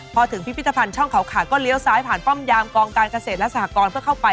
พอถึงพิพิธภัณฑ์ช่องเขาขาดก็เลี้ยวซ้ายผ่านป้อมยามกองการเกษตรและสหกรเพื่อเข้าไป